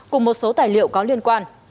cùng một số tài liệu có liên quan